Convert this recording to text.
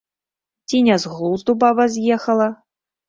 Ці не з глузду баба з'ехала?